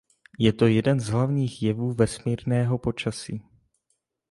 Je to jeden z hlavních jevů vesmírného počasí.